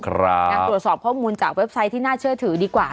ยังตรวจสอบข้อมูลจากเว็บไซต์ที่น่าเชื่อถือดีกว่า